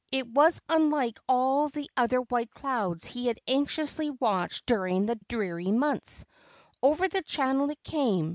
It was unlike all the other white clouds he had anxiously watched dur¬ ing the dreary months. Over the channel it came.